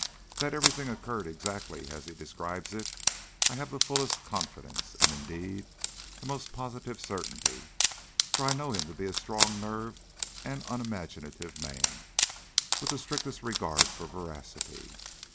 That everything occurred exactly as he describes it I have the fullest confidence, and, indeed, the most positive certainty, for I know him to be a strong nerved and unimaginative man, with the strictest regard for veracity.